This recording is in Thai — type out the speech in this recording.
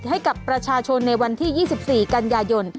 ให้กับประชาชนในวันที่๒๔กันยายน